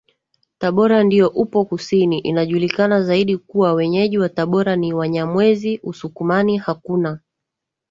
Tabora ndio upo kusini Inajulikana zaidi kuwa Wenyeji wa Tabora ni WanyamweziUsukumani hakuna